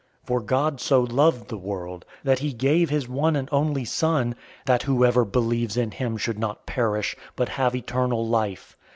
003:016 For God so loved the world, that he gave his one and only Son, that whoever believes in him should not perish, but have eternal life.